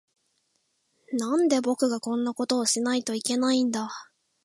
なんで、僕がこんなことをしないといけないんだ。